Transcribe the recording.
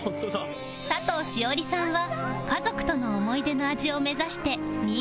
佐藤栞里さんは家族との思い出の味を目指して新潟県へ